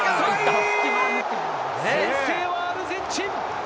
先制はアルゼンチン。